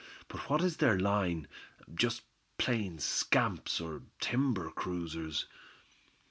"But what is their line just plain scamps, or timber cruisers?"